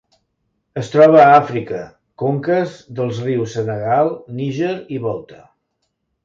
Es troba a Àfrica: conques dels rius Senegal, Níger i Volta.